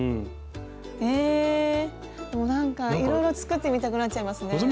えでもなんかいろいろ作ってみたくなっちゃいますね。